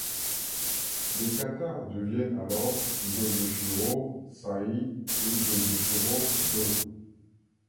Les katas deviennent alors Gojushiho Sai et Gojushiho Do.